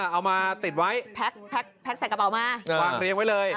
เอามาติดไว้